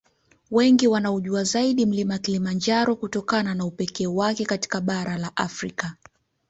Wengi wanaUjua zaidi Mlima Kilimanjaro kutokana na upekee wake katika bara la Afrika